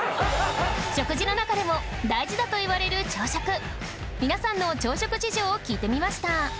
食事の中でも大事だといわれる朝食皆さんの朝食事情を聞いてみました